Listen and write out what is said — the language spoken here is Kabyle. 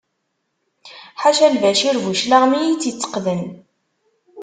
Ḥaca Lbacir Buclaɣem i yi-tt-yetteqden.